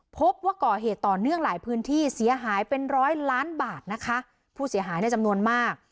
พบว่าก่อเหตุต่อเนื่องหลายพื้นที่เสียหายเป็นร้อยล้านบาทนะคะผู้เสียหายในจำนวนมาก